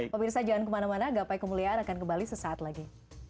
pemirsa jangan kemana mana gapai kemuliaan akan kembali sesaat lagi